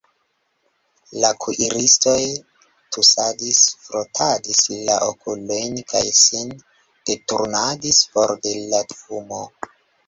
La kuiristoj tusadis, frotadis la okulojn kaj sin deturnadis for de la fumo.